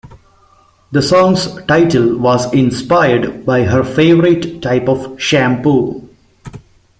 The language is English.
The song's title was inspired by her favorite type of shampoo.